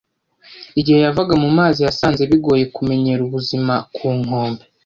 Igihe yavaga mu mazi, yasanze bigoye kumenyera ubuzima ku nkombe.